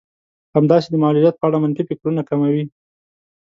همداسې د معلوليت په اړه منفي فکرونه کموي.